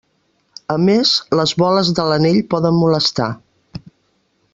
A més, les boles de l'anell poden molestar.